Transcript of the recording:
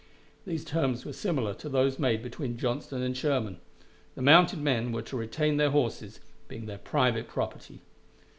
These terms were similar to those made between Johnston and Sherman; the mounted men were to retain their horses, being their private property.